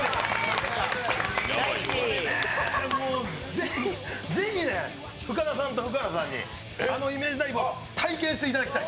これね、ぜひね、深田さんと福原さんにあのイメージダイブを体験していただきたい。